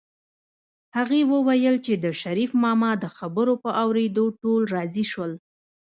هغې وویل چې د شريف ماما د خبرو په اورېدو ټول راضي شول